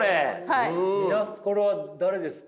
これは誰ですか？